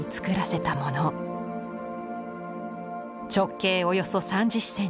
直径およそ３０ｃｍ。